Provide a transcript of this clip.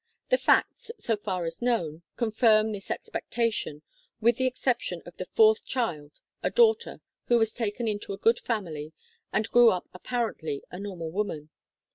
The facts, so far as known, confirm this expectation, with the exception of the fourth child, a daughter, who was taken into a good family and grew up apparently a normal woman.